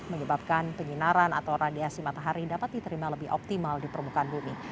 menyebabkan penyinaran atau radiasi matahari dapat diterima lebih optimal di permukaan bumi